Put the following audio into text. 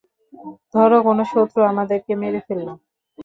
ধর কোনো শত্রু আমাদেরকে মেরে ফেললো।